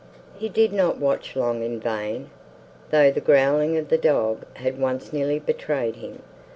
He did not watch long in vain, though the growling of the dog had once nearly betrayed him.